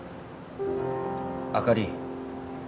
あかり。